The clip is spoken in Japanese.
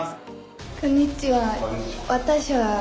こんにちは。